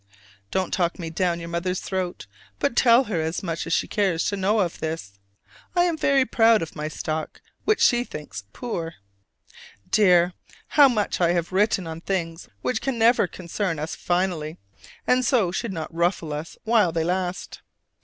Don't talk me down your mother's throat: but tell her as much as she cares to know of this. I am very proud of my "stock" which she thinks "poor"! Dear, how much I have written on things which can never concern us finally, and so should not ruffle us while they last!